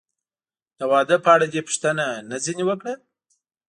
د واده په اړه دې پوښتنه نه ځنې وکړه؟